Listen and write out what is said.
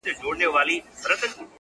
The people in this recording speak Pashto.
چي د عقل فکر لاس پکښي تړلی٫